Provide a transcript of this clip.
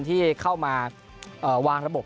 ที่เข้ามาวางระบบ